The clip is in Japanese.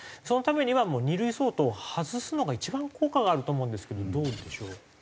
そのためにはもう２類相当を外すのが一番効果があると思うんですけどどうでしょう？